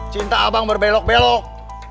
cinta abang berbelok belok